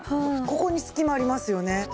ここに隙間ありますよね。